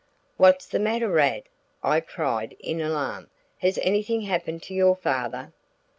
"What's the matter, Rad?" I cried in alarm. "Has anything happened to your father?"